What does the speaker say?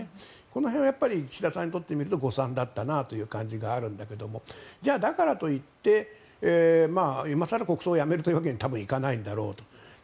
この辺は岸田さんにとってみると誤算だったという感じがあるんだけれどもだからといって今更国葬をやめるというわけには多分、いかないんだろうと。